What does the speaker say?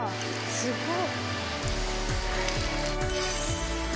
すごい！